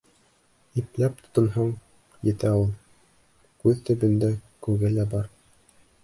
Ипләп тотонһаң, етә ул. Күҙ төбөндә күге лә бар.